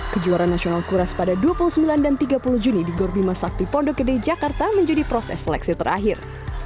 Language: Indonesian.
kejuaraan nasional kuras pada dua puluh sembilan dan tiga puluh juni di gorbima sakti pondok gede jakarta menjadi proses seleksi terakhir